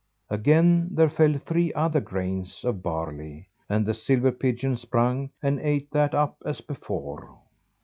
Again there fell three other grains of barley, and the silver pigeon sprung, and ate that up as before.